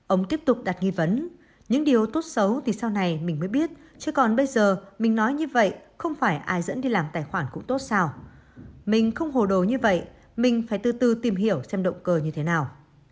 ông tiếp tục đặt nghi vấn những điều tốt xấu thì sau này mình mới biết chứ còn bây giờ mình nói như vậy không phải ai dẫn đi làm tài khoản cũng tốt sao mình không hồ đồ như vậy mình phải tư từ tư tìm hiểu xem động cơ như thế nào